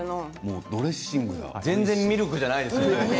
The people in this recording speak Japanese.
全然ミルクじゃないですね。